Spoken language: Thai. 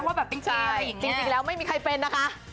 จริงไม่มีใครเป็นนะคะ